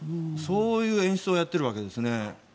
そういう演出をやっているわけですね。